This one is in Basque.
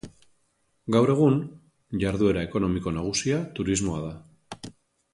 Gaur egun, jarduera ekonomiko nagusia turismoa da.